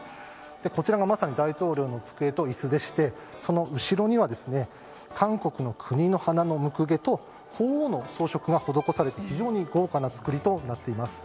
こちらがまさに大統領の机と椅子でしてその後ろには、韓国の国の花のむくげと鳳凰の装飾が施されて非常に豪華な造りとなっています。